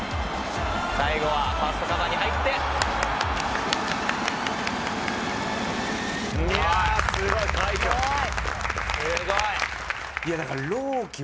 「最後はファーストカバーに入って」「」いやあすごい快挙。